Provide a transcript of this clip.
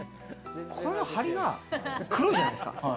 この梁が黒いじゃないですか。